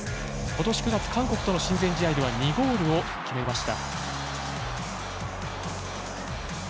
今年の韓国との親善試合では２ゴールを決めました。